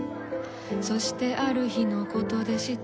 そしてある日のことでした。